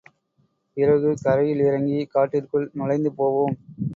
பிறகு, கரையில் இறங்கி, காட்டிற்குள் நுழைந்து போவோம்.